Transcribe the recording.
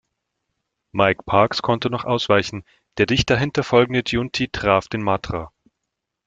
Mike Parkes konnte noch ausweichen, der dicht dahinter folgende Giunti traf den Matra.